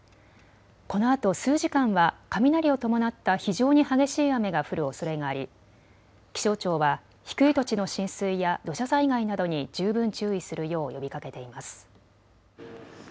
このあと数時間は雷を伴った非常に激しい雨が降るおそれがあり気象庁は低い土地の浸水や土砂災害などに十分注意するよう呼びかけています。